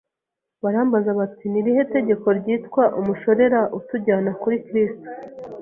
Barambaza bati : «Ni irihe tegeko ryitwa umushorera utujyana kuri Kristo?